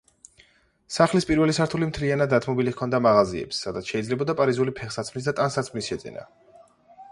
სახლის პირველი სართული მთლიანად დათმობილი ჰქონდა მაღაზიებს, სადაც შეიძლებოდა პარიზული ფეხსაცმლის და ტანსაცმლის შეძენა.